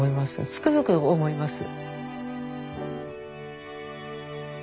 つくづく思います。